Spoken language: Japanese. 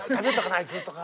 あいつ」とか。